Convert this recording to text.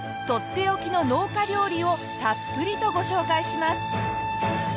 とっておきの農家料理をたっぷりとご紹介します！